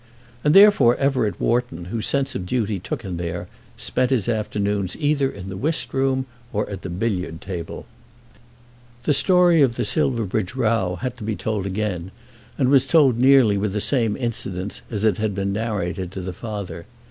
And therefore Everett Wharton, whose sense of duty took him there, spent his afternoons either in the whist room or at the billiard table. The story of the Silverbridge row had to be told again, and was told nearly with the same incidents as had been narrated to the father.